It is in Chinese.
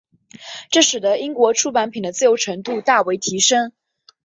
这使得英国出版品的自由程度大为提升。